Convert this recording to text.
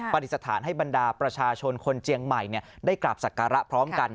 ปฏิสถานให้บรรดาประชาชนคนเจียงใหม่ได้กราบศักระพร้อมกัน